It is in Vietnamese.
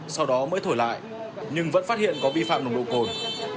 sau đó mới thổi lại nhưng vẫn phát hiện có vi phạm nồng độ cồn